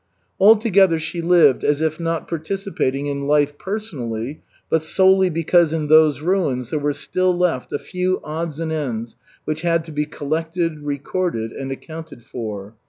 Altogether, she lived as if not participating in life personally, but solely because in those ruins there were still left a few odds and ends which had to be collected, recorded, and accounted for.